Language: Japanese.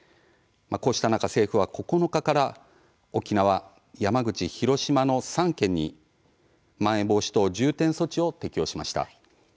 こうした中、政府は９日から沖縄、山口、広島の３県にまん延防止等重点措置を適用しました。